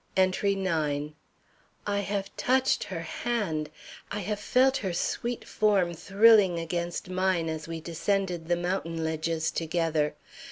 ENTRY IX. I have touched her hand! I have felt her sweet form thrilling against mine as we descended the mountain ledges together!